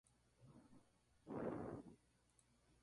Cubre más de la mitad del área de la región de Laurentides.